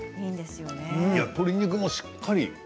鶏肉もしっかり。